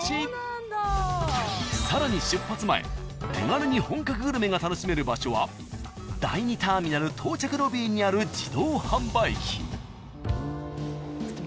［さらに出発前手軽に本格グルメが楽しめる場所は第２ターミナル到着ロビーにある自動販売機］えっ？